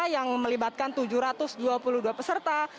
yang melibatkan tujuh ratus dua puluh dua peserta